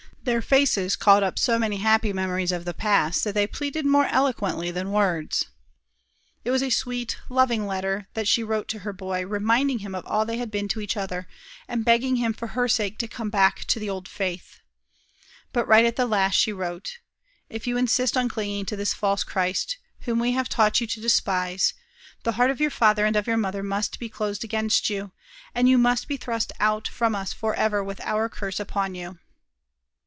Their faces called up so many happy memories of the past that they pleaded more eloquently than words. It was a sweet, loving letter she wrote to her boy, reminding him of all they had been to each other, and begging him for her sake to come back to the old faith. But right at the last she wrote: "If you insist on clinging to this false Christ, whom we have taught you to despise, the heart of your father and of your mother must be closed against you, and you must be thrust out from us forever with our curse upon you."